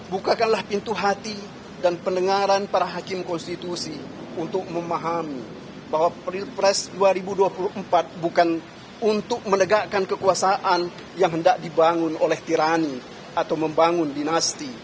bukakanlah pintu hati dan pendengaran para hakim konstitusi untuk memahami bahwa pilpres dua ribu dua puluh empat bukan untuk menegakkan kekuasaan yang hendak dibangun oleh tirani atau membangun dinasti